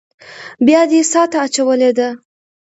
بيا دې څاه ته اچولې ده.